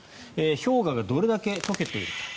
氷河がどれだけ解けているか。